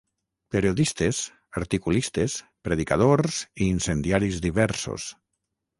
periodistes, articulistes, predicadors i incendiaris diversos